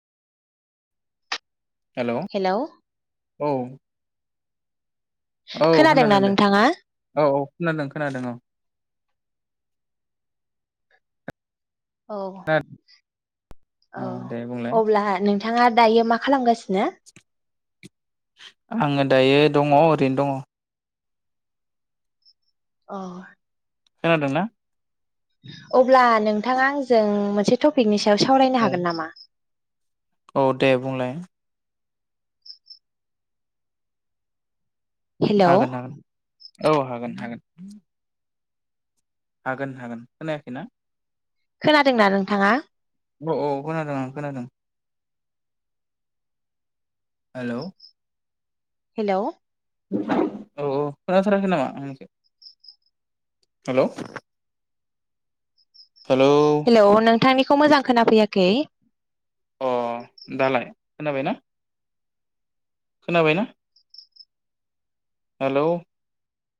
हेल' औ हेलौ औ खोनादोंना खोनादों दे नोंथाङा? औ औ खोनादों खोनादों औ औ खोनादों औ दे बुंलाय अब्ला नों थाङा दायो मा खालामगासि आङो दायो दङ ओरैनो दङ अ खोनादोंना अब्ला नोंथाङा आंजों मोनसे टपिकनि सायाव सावरायनो औ हागोन नामा औ दे बुंलाय हेल' हागोन हागोन औ हागोन हागोन हागोन हागोन खोनायाखै ना खोनादोंना नोंथाङा औ औ खोनादों आं खोनादों हेल' हेल' औ औ खोनाथाराखै नामा आंनिखौ हेल' हेल' थांनिखौ मोजां खोनाफैयाखै अ दालाय खोनाबाय ना खोनाबायना हेलौ